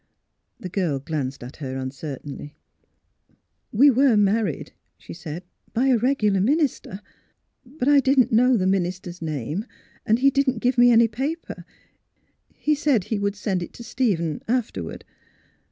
The girl glanced at her uncertainly. We were married," she said, " by a regular minister. But I didn't know the minister's name. And he didn't give me any paper. He said he would send it to Stephen, afterward.